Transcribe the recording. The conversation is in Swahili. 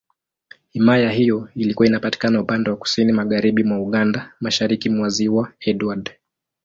Himaya hiyo ilikuwa inapatikana upande wa Kusini Magharibi mwa Uganda, Mashariki mwa Ziwa Edward.